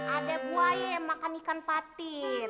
ada buaya yang makan ikan patin